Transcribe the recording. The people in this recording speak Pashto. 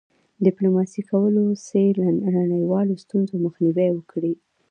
ډيپلوماسي کولی سي له نړیوالو ستونزو مخنیوی وکړي.